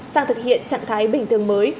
sang thực hiện trạng thái bình thường mới